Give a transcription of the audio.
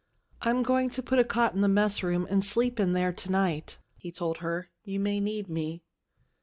"I'm going to put a cot in the mess room and sleep in there to night," he told her. "You may need me."